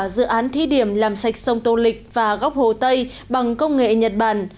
dự án thi điểm làm sạch sông tô lịch và góc hồ tây bằng công nghệ nhật bản